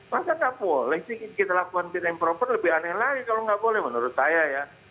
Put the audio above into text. masa nggak boleh sih kita lakukan fit and proper lebih aneh lagi kalau nggak boleh menurut saya ya